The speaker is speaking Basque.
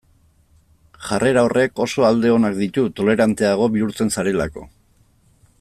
Jarrera horrek oso alde onak ditu toleranteago bihurtzen zarelako.